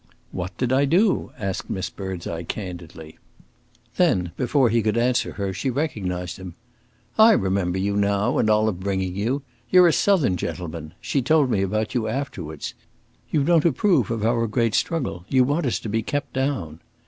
"What did I do?" asked Miss Birdseye candidly. Then, before he could answer her, she recognised him. "I remember you now, and Olive bringing you! You're a Southern gentleman she told me about you afterwards. You don't approve of our great struggle you want us to be kept down."